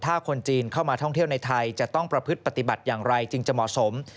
ถ้าคนจีนเข้ามาท่องเที่ยวในไทยจะต้องประพฤติปฏิบัติอย่างไรจึงจะเหมาะสม